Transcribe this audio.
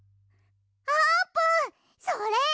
あーぷんそれ！